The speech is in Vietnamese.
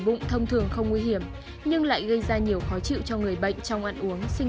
bụng thông thường không nguy hiểm nhưng lại gây ra nhiều khó chịu cho người bệnh trong ăn uống sinh